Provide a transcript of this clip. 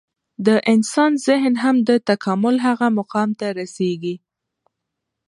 د انسان ذهن هم د تکامل هغه مقام ته رسېږي.